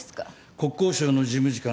国交省の事務次官？